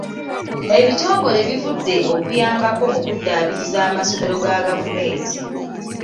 Ebitongole bivudde okuyambako mu kuddaabiriza amasomero ga gavumenti.